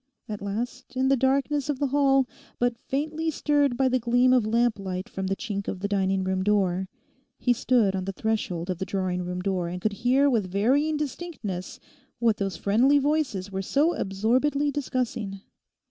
At last, in the darkness of the hall, but faintly stirred by the gleam of lamplight from the chink of the dining room door, he stood on the threshold of the drawing room door and could hear with varying distinctness what those friendly voices were so absorbedly discussing.